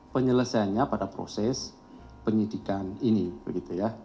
penyelesaiannya pada proses penyidikan ini